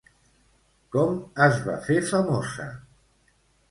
Com es va fer famosa?